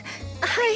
はい。